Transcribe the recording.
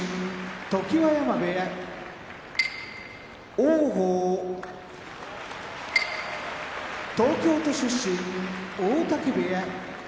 常盤山部屋王鵬東京都出身大嶽部屋